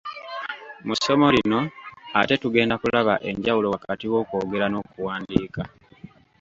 Mu ssomo lino ate tugenda kulaba enjawulo wakati w'okwogera n'okuwandiika.